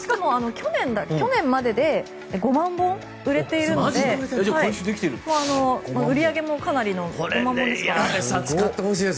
去年までで５万本売れているので売り上げもかなりのものですね。